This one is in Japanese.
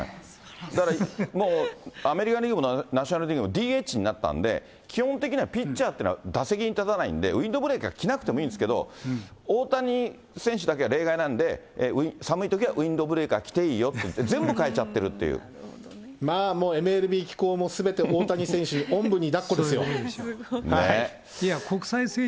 だからもう、アメリカリーグもナショナルリーグもＤＨになったんで、基本的にはピッチャーっていうのは打席に立たないんで、ウインドブレーカー着なくてもいいんですけど、大谷選手だけは例外なんで、寒いときはウインドブレーカー着ていいよって、まあもう、ＭＬＢ機構もすべて大谷選手、おんぶにだっこですよ。